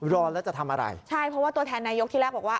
รอแล้วจะทำอะไรใช่เพราะว่าตัวแทนนายกที่แรกบอกว่า